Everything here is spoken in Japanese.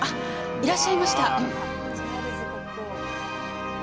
いらっしゃいました。